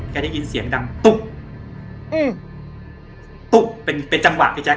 ได้ยินเสียงดังตุ๊บอืมตุ๊บเป็นเป็นจังหวะพี่แจ๊